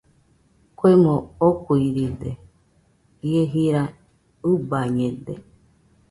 Kuemo okuiride, ie jira ɨbañede.